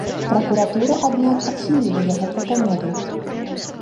Пракуратура, аднак, адхіліла яго прапанову.